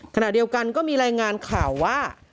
ขณะเดียวกันก็มีรายงานข่าวว่า